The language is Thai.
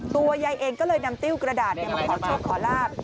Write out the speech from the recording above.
ตัวยายเองก็เลยนำติ้วกระดาษมาขอโชคขอลาบ